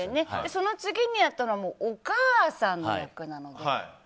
その次にやったのがお母さんの役なので。